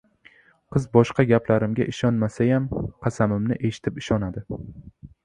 — Qiz boshqa gaplarimga ishonmasayam, qasamimni eshitib ishonadi.